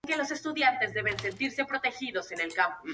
En el espectáculo había varios errores de continuidad.